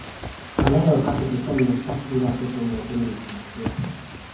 Anaia urkatu zuten neska zuri batekin maitemintzeagatik.